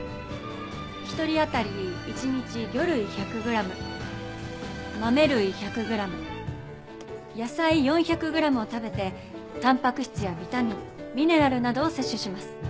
一人当たり一日魚類１００グラム豆類１００グラム野菜４００グラムを食べてたんぱく質やビタミンミネラルなどを摂取します。